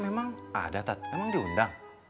memang ada memang diundang